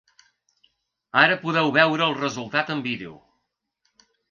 Ara podeu veure el resultat en vídeo.